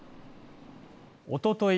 おととい